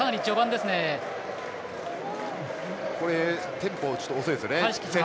テンポ、遅いですよね。